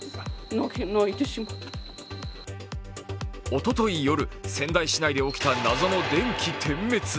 おととい夜、仙台市内で起きた謎の電気点滅。